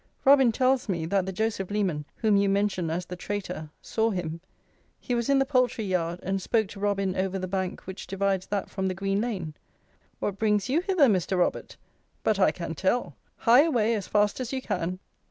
Robin tells me, that the Joseph Leman, whom you mention as the traitor, saw him. He was in the poultry yard, and spoke to Robin over the bank which divides that from the green lane. 'What brings you hither, Mr. Robert? But I can tell. Hie away, as fast as you can.'